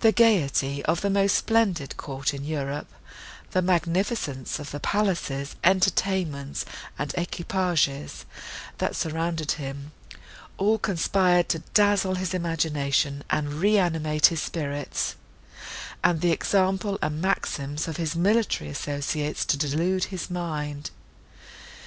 The gaiety of the most splendid court in Europe, the magnificence of the palaces, entertainments, and equipages, that surrounded him—all conspired to dazzle his imagination, and reanimate his spirits, and the example and maxims of his military associates to delude his mind.